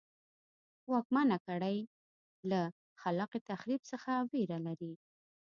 واکمنه کړۍ له خلاق تخریب څخه وېره لري.